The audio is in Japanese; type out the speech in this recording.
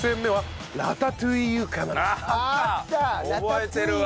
覚えてるわ。